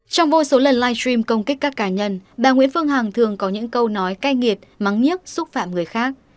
trong vô số lần live stream công kích các cá nhân bà nguyễn phương hằng thường có những câu nói cay nghiệt mắng nhức xúc phạm người khác